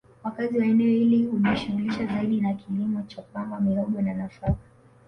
Wakazi wa eneo hili hujishughulisha zaidi na kilimo cha pamba mihogo na nafaka